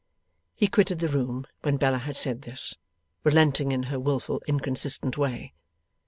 He quitted the room when Bella had said this, relenting in her wilful inconsistent way.